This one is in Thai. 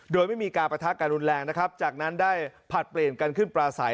โดยไม่มีการประทะการรุนแรงนะครับจากนั้นได้ผลัดเปลี่ยนกันขึ้นปลาใส